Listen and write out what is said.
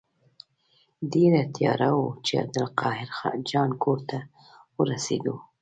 ډېره تیاره وه چې عبدالقاهر جان کور ته ورسېدو.